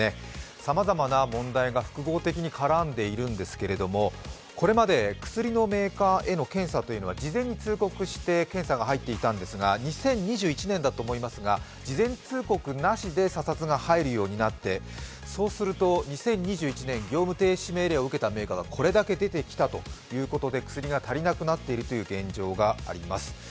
さまざまな問題が複合的に絡んでいるんですけれどもこれまで薬のメーカーへの検査というのは事前に通告して検査が入っていたんですが２０２１年だと思いますが事前通告なしで査察が入るようになって、そうすると２０２１年、業務停止命令を受けた業者がこれだけ出てきたということで薬が足りなくなっているという現状があります。